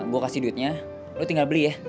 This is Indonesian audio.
gue kasih duitnya lo tinggal beli ya